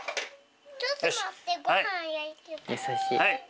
はい。